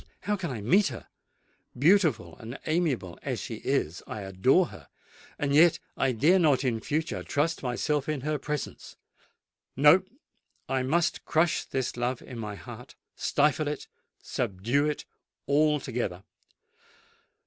how can I meet her? Beautiful and amiable as she is, I adore her;—and yet I dare not in future trust myself in her presence! No:—I must crush this love in my heart—stifle it—subdue it altogether!